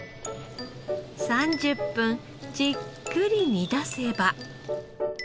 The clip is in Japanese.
３０分じっくり煮出せば。